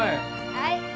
はい。